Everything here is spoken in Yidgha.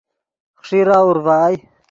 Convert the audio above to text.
خیݰیرہ اورڤائے